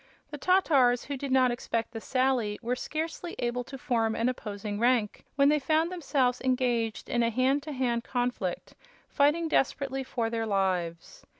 The Tatars, who did not expect the sally, were scarcely able to form an opposing rank when they found themselves engaged in a hand to hand conflict, fighting desperately for their lives.